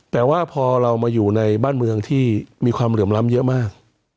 แต่ว่าพอเรามาอยู่ในบ้านเมืองที่มีความเหลื่อมล้ำเยอะมาก